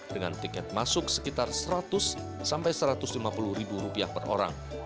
dengan tiket masuk sekitar seratus sampai satu ratus lima puluh ribu rupiah per orang